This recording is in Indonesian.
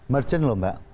merchant loh mbak